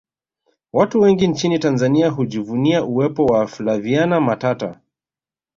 watu wengi nchini tanzania hujivunia uwepo wa flaviana matata